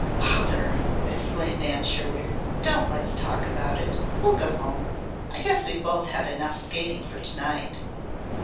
"Bother!" exclaimed Nan Sherwood. "Don't let's talk about it. We'll go home. I guess we've both had enough skating for tonight."